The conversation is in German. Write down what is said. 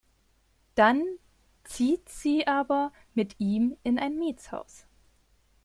Dann zieht sie aber mit ihm in ein Mietshaus.